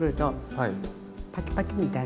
はい。